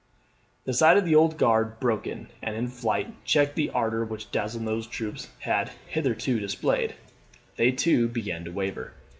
The sight of the Old Guard broken and in flight checked the ardour which Donzelot's troops had hitherto displayed. They, too, began to waver.